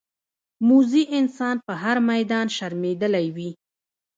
موزي انسان په هر میدان شرمېدلی وي.